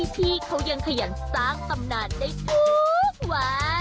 พี่เขายังขยันสร้างตำนานได้ทุกวัน